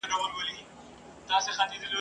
هومره ډار نه وي د دښت له لړمانو !.